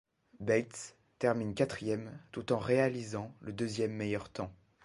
Beitske termine quatrième, tout en réalisant le deuxième meilleur temps.